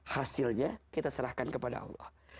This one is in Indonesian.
hasilnya kita serahkan kepada allah